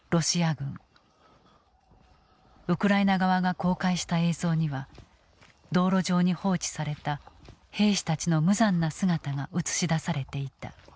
ウクライナ側が公開した映像には道路上に放置された兵士たちの無残な姿が映し出されていた。